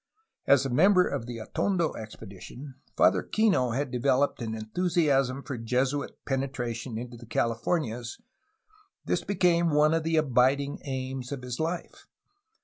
As a member of the Atondo expedi tion Father Kino had developed an enthusiasm for Jesuit penetration into the Californias which became one of the abiding aims of his life.